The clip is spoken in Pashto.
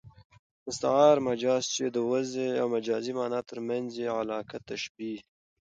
مستعار مجاز، چي د وضعي او مجازي مانا تر منځ ئې علاقه تشبېه يي.